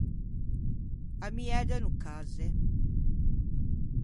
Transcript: Ammiæ de no cazze.